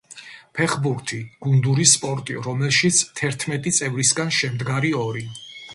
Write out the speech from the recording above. ფეხბურთი — გუნდური სპორტი, რომელშიც თერთმეტი წევრისგან შემდგარი ორი